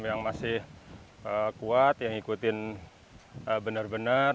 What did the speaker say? yang masih kuat yang ngikutin benar benar